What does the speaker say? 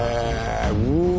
うわ！